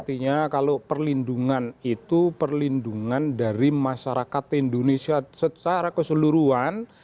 artinya kalau perlindungan itu perlindungan dari masyarakat indonesia secara keseluruhan